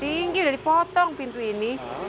tinggi udah dipotong pintu ini